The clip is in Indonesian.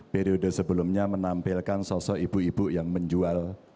periode sebelumnya menampilkan sosok ibu ibu yang menjual